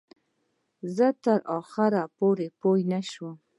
زه تر اخره پوی نشوم.